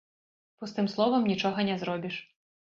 Пустым словам нічога не зробіш.